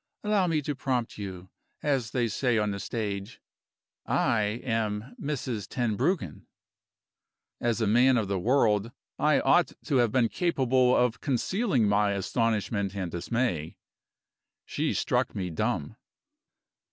Allow me to prompt you, as they say on the stage. I am Mrs. Tenbruggen." As a man of the world, I ought to have been capable of concealing my astonishment and dismay. She struck me dumb.